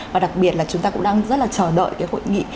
và đặc biệt là chúng ta cũng đang rất là chờ đợi cái hội nghị